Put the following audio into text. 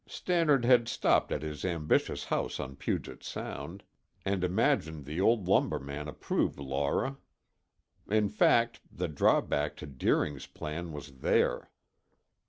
Stannard had stopped at his ambitious house on Puget Sound, and imagined the old lumber man approved Laura. In fact, the drawback to Deering's plan was there.